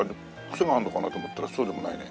クセがあるのかなと思ったらそうでもないね。